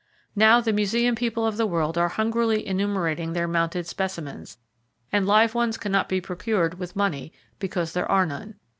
Now, the museum people of the world are hungrily enumerating their mounted specimens, and live ones cannot be procured with money, because there are none!